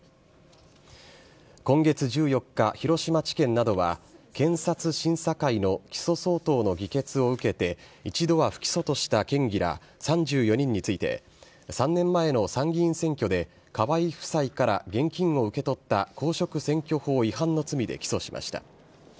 今月１４日、広島地検などは、検察審査会の起訴相当の議決を受けて、一度は不起訴とした県議ら３４人について、３年前の参議院選挙で、河井夫妻から現金を受け取った公職選挙法違反の罪で起訴しました。